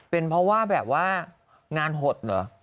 เป็นเพราะว่างานหดเหรอ